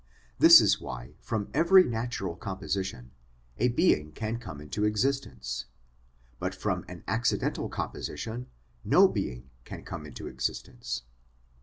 This is why from every natural composition a being can come into existence, but from an accidental composition no being can come into existence.